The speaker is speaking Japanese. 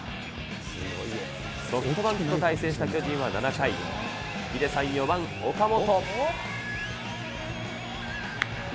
ソフトバンクと対戦した巨人は７回、ヒデさん４番、岡本。